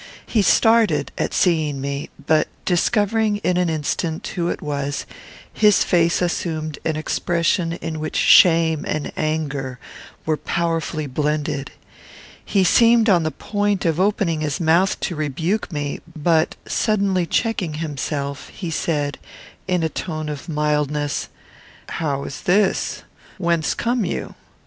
He started at seeing me; but, discovering in an instant who it was, his face assumed an expression in which shame and anger were powerfully blended. He seemed on the point of opening his mouth to rebuke me; but, suddenly checking himself, he said, in a tone of mildness, "How is this? Whence come you?"